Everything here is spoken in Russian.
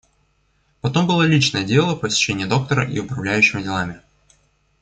Потом было личное дело, посещение доктора и управляющего делами.